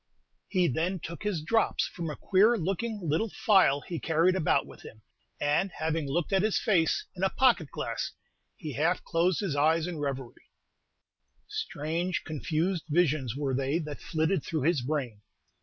He then took his "drops" from a queer looking little phial he carried about with him, and having looked at his face in a pocket glass, he half closed his eyes in revery. Strange, confused visions were they that flitted through his brain.